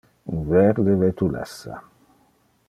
Un verde vetulessa.